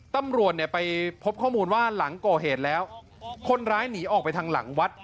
ตำรวจเนี่ยไปพบข้อมูลว่าหลังก่อเหตุแล้วคนร้ายหนีออกไปทางหลังวัด